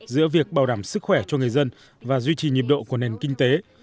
giữa việc bảo đảm sức khỏe cho người dân và duy trì nhịp độ của nền kinh tế